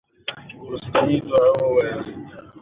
يودم يې سر پورته کړ، ويې ويل: خبره دې په فکر کولو ارزي.